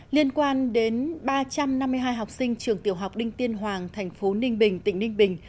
liên quan đến ba trăm năm mươi hai học sinh trường tiểu học đinh tiên hoàng thành phố ninh bình tỉnh ninh bình